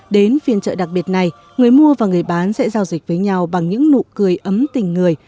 đến phiên chợ đặc biệt này người mua và người bán sẽ giao dịch với nhau bằng những nụ cười ấm tình người